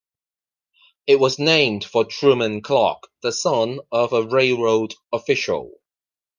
It was named for Truman Clark, the son of a railroad official.